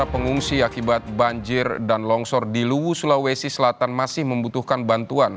pengungsi akibat banjir dan longsor di luwu sulawesi selatan masih membutuhkan bantuan